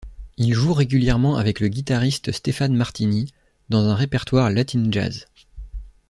Il joue régulièrement avec le guitariste Stéphane Martini, dans un répertoire latin' jazz.